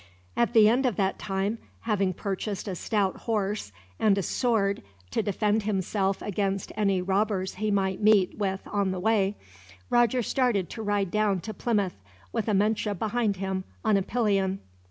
At the end of that time, having purchased a stout horse, and a sword to defend himself against any robbers he might meet with on the way, Roger started to ride down to Plymouth, with Amenche behind him on a pillion.